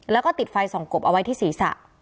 แล้วก็ติดไฟส่องกบเอาไว้ที่ศีรษะ